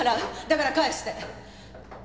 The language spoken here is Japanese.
だから返して！